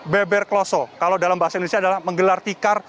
beberkloso kalau dalam bahasa indonesia adalah menggelar tikar